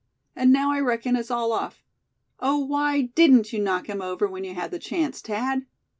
And now I reckon it's all off. Oh! why didn't you knock him over when you had the chance, Thad?"